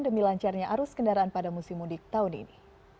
demi lancarnya arus kendaraan pada musim mudik tahun ini